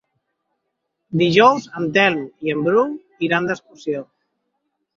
Dijous en Telm i en Bru iran d'excursió.